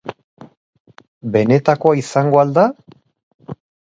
Benetakoa izango al da?